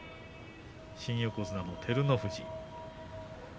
新横綱の照ノ富士。